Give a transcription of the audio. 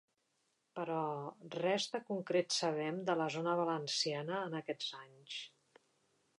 Però, res de concret sabem de la zona valenciana en aquests anys.